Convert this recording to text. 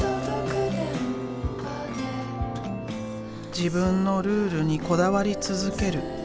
自分のルールにこだわり続ける。